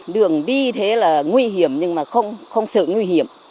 đường đi thế là nguy hiểm nhưng mà không sự nguy hiểm